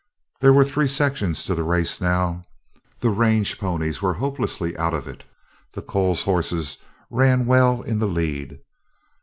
There were three sections to the race now. The range ponies were hopelessly out of it. The Coles horses ran well in the lead.